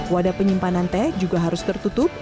wadah penyimpanan teh juga harus tertutup